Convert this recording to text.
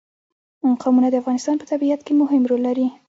قومونه د افغانستان په طبیعت کې مهم رول لري.